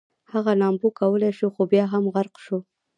هغه لامبو کولی شوه خو بیا هم غرق شو